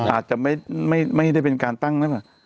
อาจจะไม่ได้เป็นการตั้ง